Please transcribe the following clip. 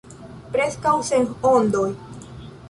Preskaŭ sen ondoj.